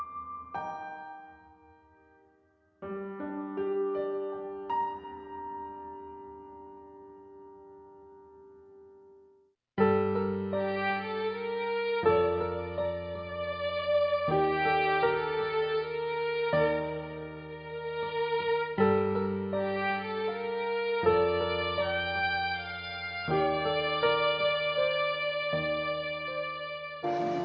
ตอนที่ไหนสงบ